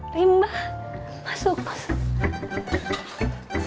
limba masuk masuk